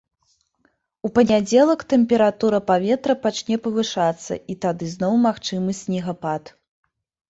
У панядзелак тэмпература паветра пачне павышацца і тады зноў магчымы снегапад.